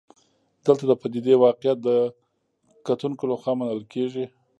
دلته د پدیدې واقعیت د کتونکو لخوا منل کېږي.